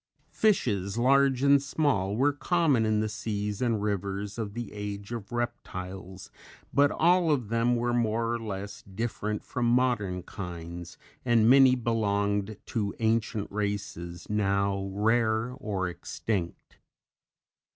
Fishes, large and small, were common in the seas and rivers of the Age of Reptiles but all of them were more or less different from modern kinds, and many belonged to ancient races now rare or extinct.